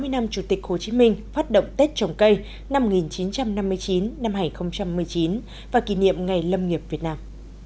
sáu mươi năm chủ tịch hồ chí minh phát động tết trồng cây năm một nghìn chín trăm năm mươi chín hai nghìn một mươi chín và kỷ niệm ngày lâm nghiệp việt nam